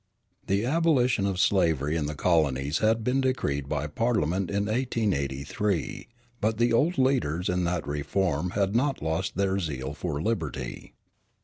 The abolition of slavery in the colonies had been decreed by Parliament in 1833, but the old leaders in that reform had not lost their zeal for liberty.